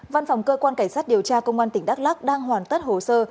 văn phòng cơ quan cảnh sát điều tra công an tỉnh đắk lắc đang hoàn tất hồ sơ